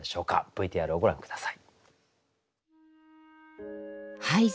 ＶＴＲをご覧下さい。